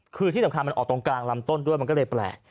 คือที่สำคัญมันออกตรงกลางลำต้นด้วยมันก็เลยแปลก